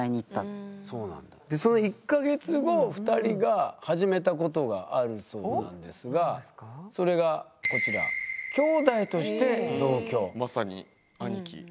その１か月後２人が始めたことがあるそうなんですがそれがこちらまさに兄貴。